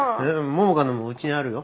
桃香のもうちにあるよ。